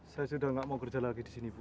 saya sudah tidak mau kerja lagi di sini bu